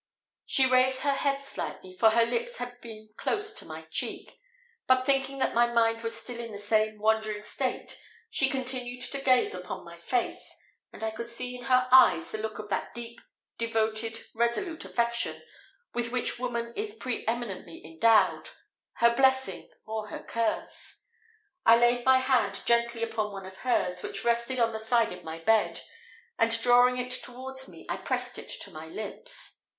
She raised her head slightly, for her lips had been close to my cheek; but thinking that my mind was still in the same wandering state, she continued to gaze upon my face, and I could see in her eyes the look of that deep, devoted, resolute affection, with which woman is pre eminently endowed her blessing or her curse! I laid my hand gently upon one of hers which rested on the side of my bed, and drawing it towards me, I pressed it to my lips.